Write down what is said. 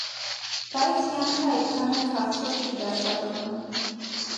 Բայց կյանքը այդքան էլ քաղցր չի դասավորվում։